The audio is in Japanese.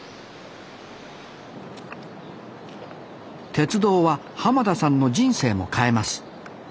鉄道は田さんの人生も変えます。